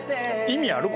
意味ある？